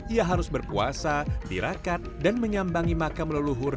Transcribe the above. ia harus berpuasa dirakat dan menyambangi makam leluhur